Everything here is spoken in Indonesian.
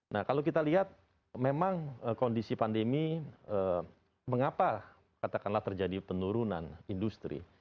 nah kalau kita lihat memang kondisi pandemi mengapa katakanlah terjadi penurunan industri